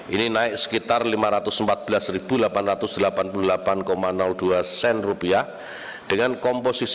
ini naik sekitar rp lima